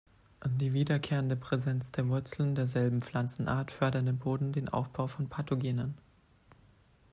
Die wiederkehrende Präsenz der Wurzeln derselben Pflanzenart fördert im Boden den Aufbau von Pathogenen.